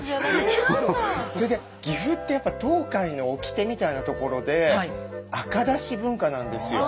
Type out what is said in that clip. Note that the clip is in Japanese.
岐阜ってやっぱ東海のおきてみたいなところで赤だし文化なんですよ。